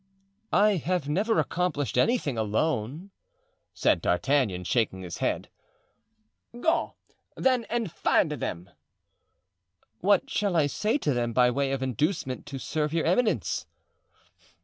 "I have never accomplished anything alone," said D'Artagnan, shaking his head. "Go, then, and find them." "What shall I say to them by way of inducement to serve your eminence?"